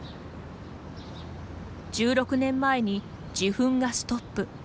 １６年前に自噴がストップ。